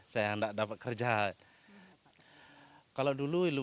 sampai waktu yang tidak ditunggu